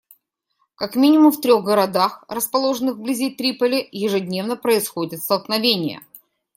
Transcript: Как минимум в трех городах, расположенных вблизи Триполи, ежедневно происходят столкновения.